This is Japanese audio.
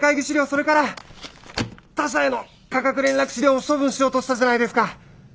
それから他社への価格連絡資料も処分しようとしたじゃないですか。